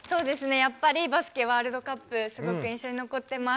やっぱり、バスケワールドカップ、すごく印象に残ってます。